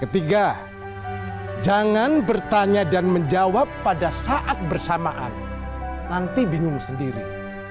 ketiga jangan bertanya dan menjawab pada saat bersamaan nanti bingung sendiri